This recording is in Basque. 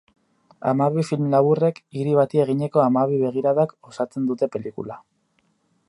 Hamabi film laburrek, hiri bati eginiko hamabi begiradak, osatzen dute pelikula.